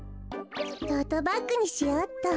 トートバッグにしようっと。